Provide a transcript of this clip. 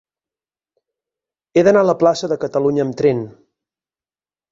He d'anar a la plaça de Catalunya amb tren.